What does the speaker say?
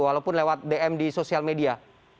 walaupun lewat dm di sosial media